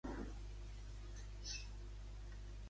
Com es va comportar el Govern espanyol, segons ell?